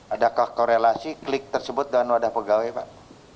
adakah korelasi klik tersebut dengan wadah pegawai pak